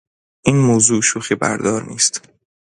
این موضوع شوخیبردار نیست.